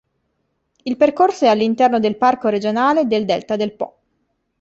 Il percorso è all'interno del parco regionale del Delta del Po.